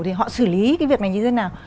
thì họ xử lý cái việc này như thế nào